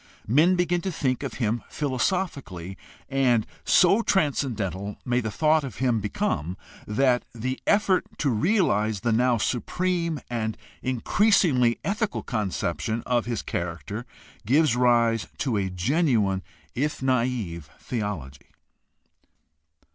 Men begin to think of him philosophically, and so transcendental may the thought of him become that the effort to realize the now supreme and increasingly ethical conception of his character gives rise to a genuine if naive theology.